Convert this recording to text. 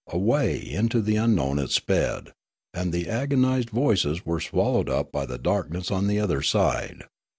Away into the unknown it sped, and the agonised voices were swallowed up by the darkness on the other side.